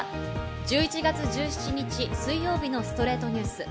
１１月１７日、水曜日の『ストレイトニュース』。